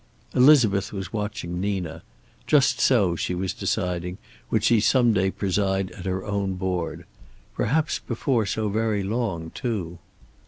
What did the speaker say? Elizabeth was watching Nina. Just so, she was deciding, would she some day preside at her own board. Perhaps before so very long, too.